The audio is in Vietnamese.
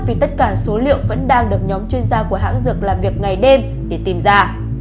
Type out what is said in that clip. vì tất cả số liệu vẫn đang được nhóm chuyên gia của hãng dược làm việc ngày đêm để tìm ra